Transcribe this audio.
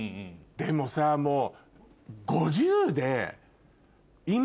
でもさもう。